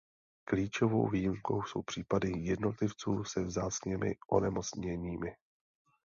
Klíčovou výjimkou jsou případy jednotlivců se vzácnými onemocněními.